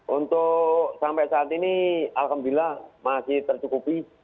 untuk sampai saat ini alhamdulillah masih tercukupi